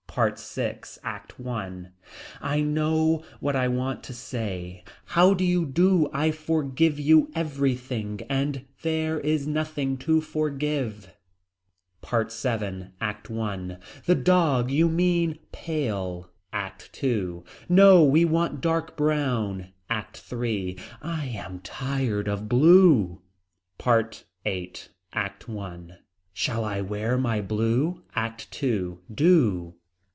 PART VI. ACT I. I know what I want to say. How do you do I forgive you everything and there is nothing to forgive. PART VII. ACT I. The dog. You mean pale. ACT II. No we want dark brown. ACT III. I am tired of blue. PART VIII. ACT I. Shall I wear my blue. ACT II. Do.